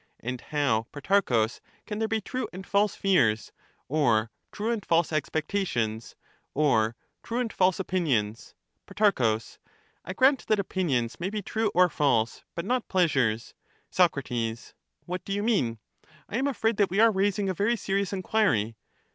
And how, Protarchus, can there be true and fialse fears, or true and false expectations, or true and false opinions ? Pro. I grant that opinions may be true or false, but not pleasures. Soc. What do you mean ? I am afraid that we are raising a very serious enquiry.